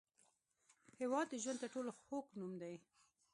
هېواد د ژوند تر ټولو خوږ نوم دی.